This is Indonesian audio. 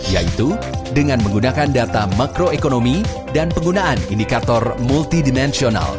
yaitu dengan menggunakan data makroekonomi dan penggunaan indikator multidinasional